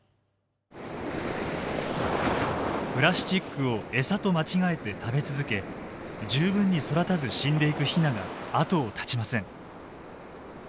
プラスチックを餌と間違えて食べ続け十分に育たず死んでいくヒナが後を絶ちません。